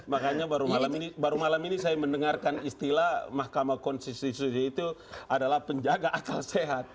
makanya baru malam ini saya mendengarkan istilah mahkamah konstitusi itu adalah penjaga akal sehat